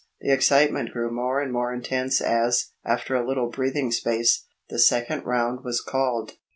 The excitement grew more and more intense as, after a little breathing space, the second round was called.